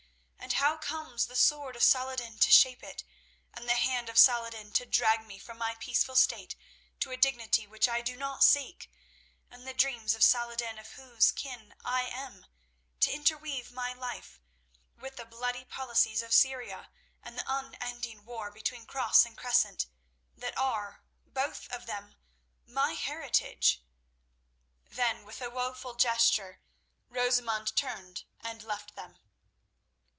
And now comes the sword of Saladin to shape it, and the hand of Saladin to drag me from my peaceful state to a dignity which I do not seek; and the dreams of Saladin, of whose kin I am, to interweave my life with the bloody policies of Syria and the unending war between Cross and Crescent, that are, both of them, my heritage." Then, with a woeful gesture, Rosamund turned and left them.